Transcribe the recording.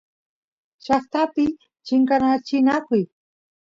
llaqtapi chinkachinakuy